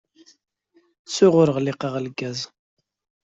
Ttuɣ ur ɣliqeɣ lgaz!